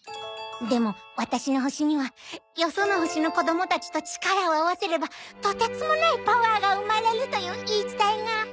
でもワタシの星にはよその星の子どもたちと力を合わせればとてつもないパワーが生まれるという言い伝えが。